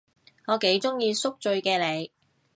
我幾鍾意宿醉嘅你